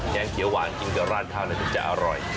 งเขียวหวานกินกับราดข้าวถึงจะอร่อย